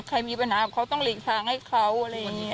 ใครมีปัญหากับเขาต้องหลีกทางให้เขาอะไรอย่างนี้